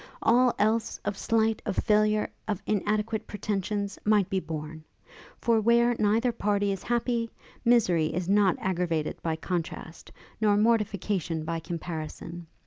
All else, of slight, of failure, of inadequate pretensions, might be borne; for where neither party is happy, misery is not aggravated by contrast, nor mortification by comparison.